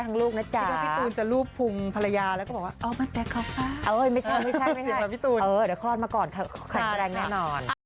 พรุ่งนี้จะได้เจอหนูแล้วแข็งแรงดีนะ